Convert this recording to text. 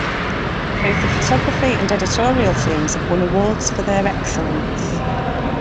Both the photography and editorial teams have won awards for their excellence.